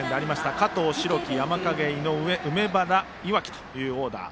加藤、代木、山蔭井上、梅原、岩城というオーダー。